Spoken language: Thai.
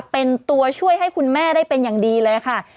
เป็นตัวช่วยให้คุณแม่ได้เป็นอย่างดีเลยค่ะ